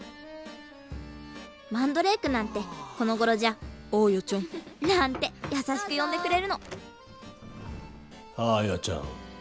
マンドレークなんてこのごろじゃ「アーヤちゃん」なんて優しく呼んでくれるのアーヤちゃん。